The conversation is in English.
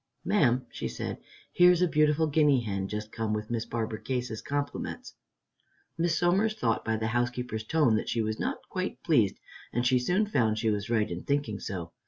"Ma'am," she said, "here's a beautiful guinea hen just come with Miss Barbara Case's compliments." Miss Somers thought by the housekeeper's tone that she was not quite pleased, and she soon found she was right in thinking so.